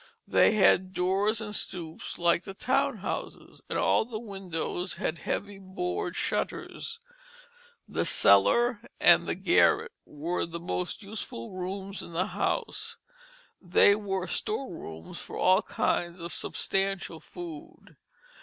They had doors and stoops like the town houses, and all the windows had heavy board shutters. The cellar and the garret were the most useful rooms in the house; they were store rooms for all kinds of substantial food.